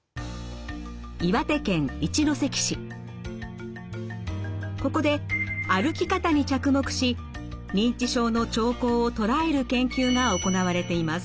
続いてはここで歩き方に着目し認知症の兆候を捉える研究が行われています。